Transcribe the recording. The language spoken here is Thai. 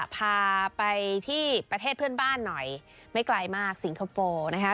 พาไปที่ประเทศเพื่อนบ้านหน่อยไม่ไกลมากสิงคโปร์นะคะ